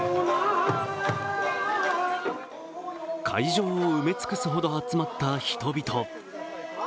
会場を埋め尽くすほど集まった人々。